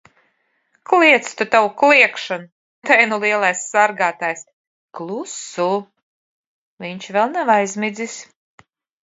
Kliedz tu tavu kliegšanu! Te nu lielais sargātājs! Klusu. Viņš vēl nav aizmidzis.